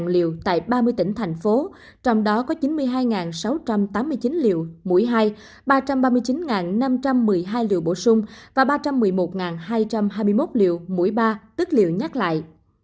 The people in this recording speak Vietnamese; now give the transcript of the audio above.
bảy bảy trăm tám mươi hai liều tại ba mươi tỉnh thành phố trong đó có chín mươi hai sáu trăm tám mươi chín liều mũi hai ba trăm ba mươi chín năm trăm một mươi hai liều bổ sung và ba trăm một mươi một hai trăm hai mươi một liều mũi ba tức liều nhắc lại